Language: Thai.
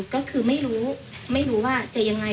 ก็คือไม่รู้ไม่รู้ว่าจะยังไง